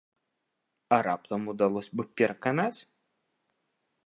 А раптам удалося б пераканаць?